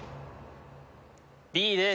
Ｂです。